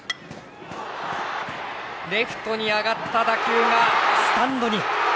レフトに上がった打球はスタンドに。